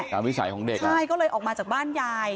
วิสัยของเด็กใช่ก็เลยออกมาจากบ้านยาย